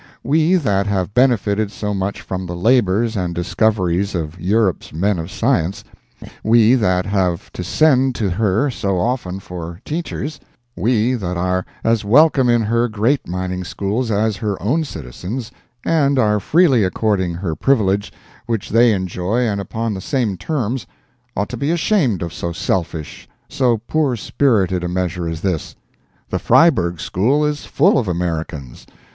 We that have benefitted so much from the labors and discoveries of Europe's men of science; we that have to send to her so often for teachers; we that are as welcome in her great mining schools as her own citizens, and are freely according every privilege which they enjoy and upon the same terms, ought to be ashamed of so selfish, so poor spirited a measure as this. The Freiburg school is full of Americans.